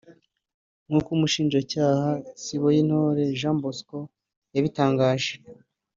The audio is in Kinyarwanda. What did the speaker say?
nkuko Umushinjacyaha Siboyintore Jean Bosco yabitangaje